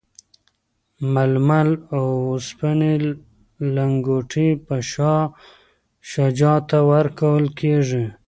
ململ او سپیني لنګوټې به شاه شجاع ته ورکول کیږي.